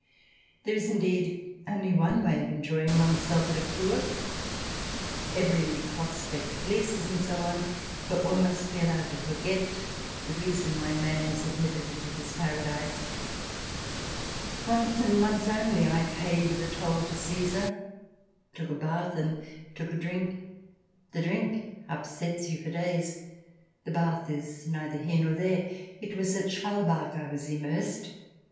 There is, indeed, only one way of enjoying one self at a Kur. Every prospect pleases, and so on. But one must be allowed to forget the reason why man is admitted into this paradise. Once and once only I paid the toll to Caesar ; took a bath and took a drink. The drink upsets you for days ; the bath is neither here nor there. It was at Schwalbach I was immersed.